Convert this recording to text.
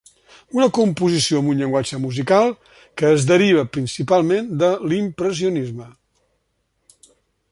Una composició amb un llenguatge musical que es deriva principalment de l'impressionisme.